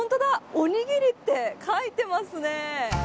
おにぎりって書いてありますね。